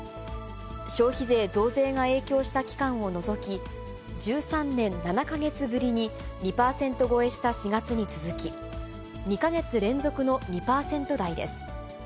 消費税増税が影響した期間を除き、１３年７か月ぶりに２％超えした４月に続き、２か月連続の２％台です。